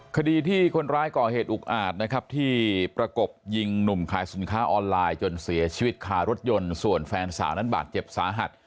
คดีที่คนร้ายก่อเหตุอุกอาจนะครับที่ประกบยิงหนุ่มขายสินค้าออนไลน์จนเสียชีวิตคารถยนต์ส่วนแฟนสาวนั้นบาดเจ็บสาหัส